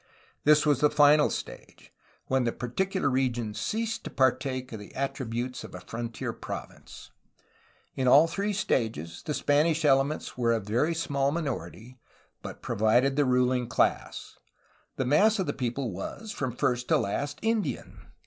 This was the final stage, when the particular region ceased to partake of the attributes of a frontier province. In all three stages the Spanish elements were a very small minority, but provided the ruHng class. The mass of the people was, from first to last, Indian.